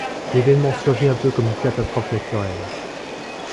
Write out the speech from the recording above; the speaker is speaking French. L’événement surgit un peu comme une catastrophe naturelle.